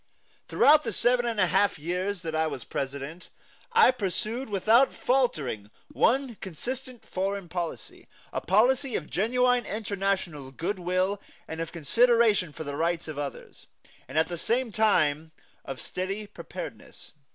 Throughout the seven and a half years that I was President, I pursued without faltering one consistent foreign policy, a policy of genuine international good will and of consideration for the rights of others, and at the same time of steady preparedness.